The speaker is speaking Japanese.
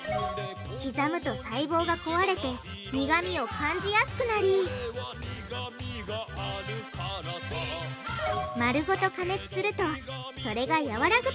刻むと細胞が壊れて苦味を感じやすくなり丸ごと加熱するとそれがやわらぐと考えられるんだ